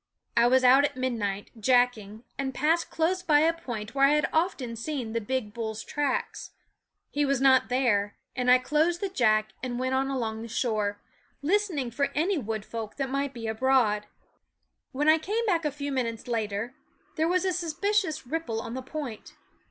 I was out at midnight, jacking, and passed close by a point where I had often seen the big bull's tracks. He was not there, and I closed the jack and went on along the shore, THE WOODS listening for any wood folk that might be abroad. When I came back a few minutes later, there was a suspicious ripple on the point.